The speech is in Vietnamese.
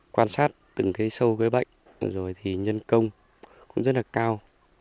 quan sát từng cây sâu cây bệnh rồi thì nhân công cũng rất là cao